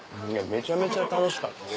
めちゃめちゃ楽しかったです。